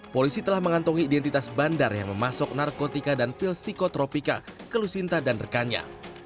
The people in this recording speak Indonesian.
polisi telah mengantongi identitas bandar yang memasuk narkotika dan pil psikotropika ke lusinta dan rekannya